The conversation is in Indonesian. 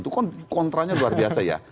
itu kan kontranya luar biasa ya